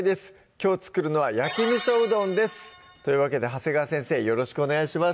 きょう作るのは「焼き味うどん」ですというわけで長谷川先生よろしくお願いします